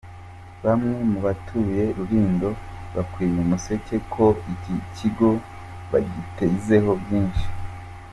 Bamwe mu batuye Rulindo babwiye Umuseke ko iki kigo bagitezeho byinshi.